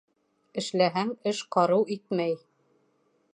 Эшләһәң, эш ҡарыу итмәй.